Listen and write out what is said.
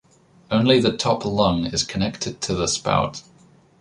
Only the top lung is connected to the spout.